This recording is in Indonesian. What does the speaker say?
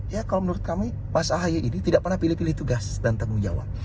ya kalau menurut kami mas ahaye ini tidak pernah pilih pilih tugas dan tanggung jawab